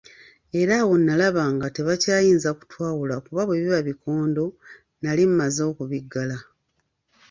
Era awo nalaba nga tebakyayinza kutwawula kuba bwe biba bikondo, nali mmaze okubiggala.